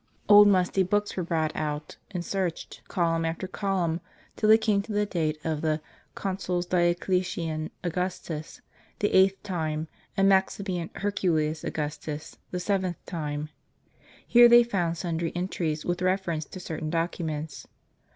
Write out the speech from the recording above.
Old musty books were brought out, and searched column after column, till they came to the date of the "Consuls Dioclesian Augustus, the eighth time, and Maximian Herculeus Augustus, the seventh time." * Here they found sundry entries, with reference to certain documents.